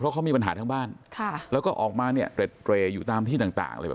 เพราะเขามีปัญหาทั้งบ้านแล้วก็ออกมาเรดเตรอยู่ตามที่ต่าง